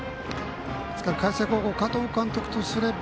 海星高校加藤監督とすれば